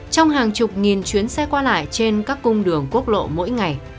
trong hàng chục nghìn chuyến xe qua lại trên các cung đường quốc lộ mỗi ngày